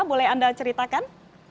boleh anda ceritakan